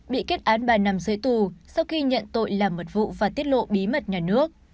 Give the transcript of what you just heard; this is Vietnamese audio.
bị kết án ba năm dưới tù sau khi nhận tội làm mật vụ và tiết lộ bí mật nhà nước